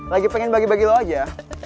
lagi pengen bagi bagi lo aja